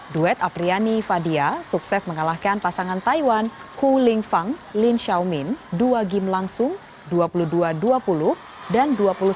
duet apriani fadia sukses mengalahkan pasangan taiwan ku ling fang lin xiaomin dua game langsung dua puluh dua dua puluh dan dua puluh satu sembilan belas